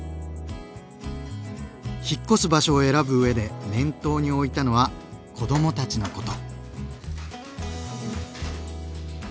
引っ越す場所を選ぶうえで念頭に置いたのは子どもたちのこと。